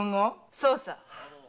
そうさ。